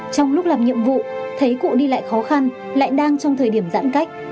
trong lúc làm nhiệm vụ thấy cụ đi lại khó khăn lại đang trong thời điểm giãn cách